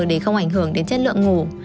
để không ảnh hưởng đến chất lượng ngủ